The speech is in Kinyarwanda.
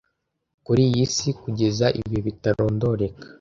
kuri iyi si kugeza ibihe bitarondoreka